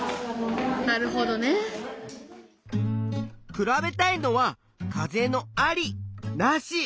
比べたいのは風のあり・なし。